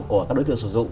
của các đối tượng sử dụng